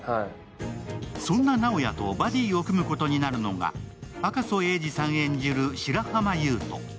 そんな直哉とバディを組むことになるのが、赤楚衛二さん演じる